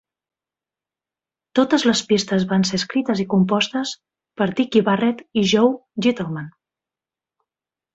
Totes les pistes van ser escrites i compostes per Dicky Barrett y Joe Gittleman.